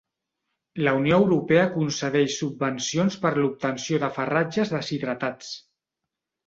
La Unió Europea concedeix subvencions per l'obtenció de farratges deshidratats.